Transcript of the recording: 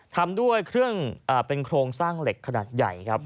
ทำด้วยเครื่องเป็นโครงสร้างเหล็กขนาดใหญ่ครับ